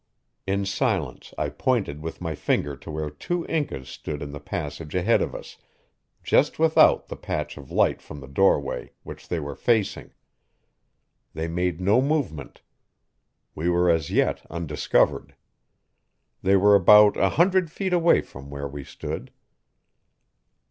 In silence I pointed with my finger to where two Incas stood in the passage ahead of us, just without the patch of light from the doorway, which they were facing. They made no movement; we were as yet undiscovered. They were about a hundred feet away from where we stood.